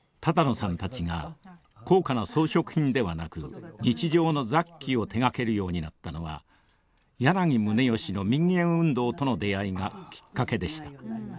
多々納さんたちが高価な装飾品ではなく日常の雑器を手がけるようになったのは柳宗悦の民藝運動との出会いがきっかけでした。